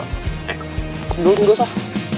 eh dulu tunggu soh